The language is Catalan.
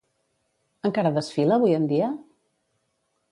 Encara desfila avui en dia?